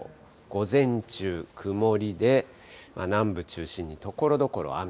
午前中、曇りで、南部中心にところどころ雨。